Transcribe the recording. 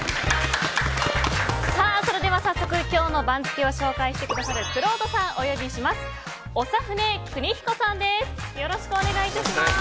それでは早速今日の番付をご紹介してくださるくろうとさんをお呼びします。